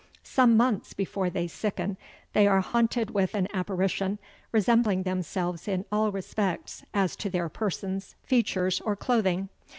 Some months before they sicken, they are haunted with an apparition, resembling themselves in all respects as to their person, features, or clothing.